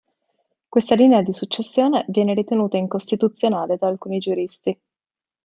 Questa linea di successione viene ritenuta incostituzionale da alcuni giuristi.